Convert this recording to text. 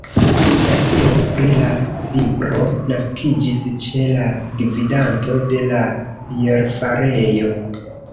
La ideo pri la libro naskiĝis ĉe la gvidanto de la bierfarejo.